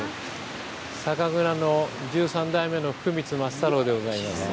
酒蔵の十三代目の福光松太郎でございます。